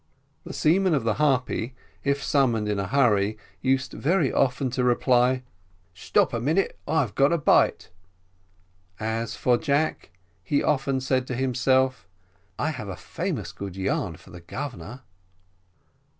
The seamen of the Harpy, if summoned in a hurry, used very often to reply, "Stop a minute, I've got a bite" as for Jack, he often said to himself, "I have a famous good yarn for the Governor."